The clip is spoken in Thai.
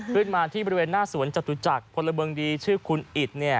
ขึ้นมาที่บริเวณหน้าสวนจตุจักรพลเมืองดีชื่อคุณอิต